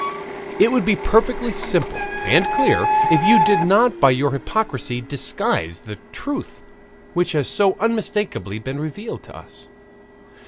It would be perfectly simple and clear if you did not by your hypocrisy disguise the truth which has so unmistakably been revealed to us.